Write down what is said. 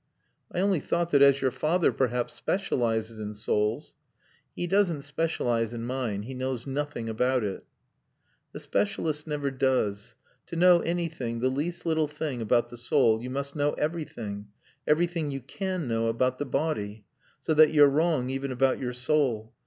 "I only thought that as your father, perhaps, specialises in souls " "He doesn't specialise in mine. He knows nothing about it." "The specialist never does. To know anything the least little thing about the soul, you must know everything everything you can know about the body. So that you're wrong even about your soul.